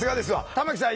玉木さん